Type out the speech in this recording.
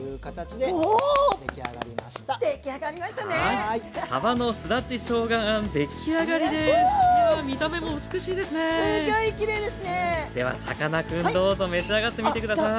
ではさかなクンどうぞ召し上がってみてください。